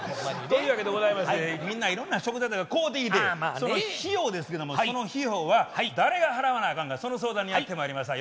というわけでございましてみんないろんな食材とか買うてきてその費用ですけどもその費用は誰が払わなあかんかその相談にやってまいりました。